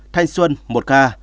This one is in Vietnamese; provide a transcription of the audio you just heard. thanh xuân một ca